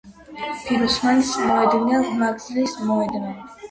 ფიროსმანის მოედნიდან ვაგზლის მოედნამდე.